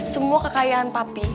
semua kekayaan papi